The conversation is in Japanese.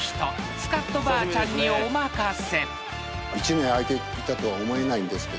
［スカッとばあちゃんにお任せ］